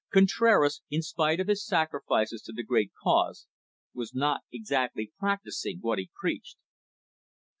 Contraras, in spite of his sacrifices to the great cause, was not exactly practising what he preached.